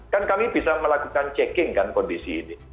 kan kami bisa melakukan checking kan kondisi ini